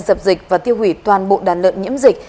dập dịch và tiêu hủy toàn bộ đàn lợn nhiễm dịch